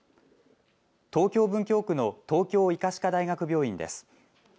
東京文京区の東京医科歯科大学病院です。